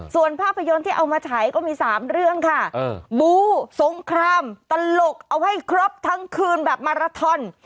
ส่วนภาพยนตร์ที่เอามาฉายก็มี๓เรื่องค่ะบูสงครามตลกเอาให้ครบทั้งคืนแบบมาราทอน